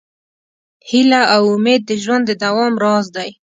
هیله او امید د ژوند د دوام راز دی.